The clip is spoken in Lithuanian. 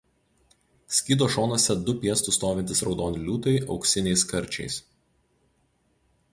Skydo šonuose du piestu stovintys raudoni liūtai auksiniais karčiais.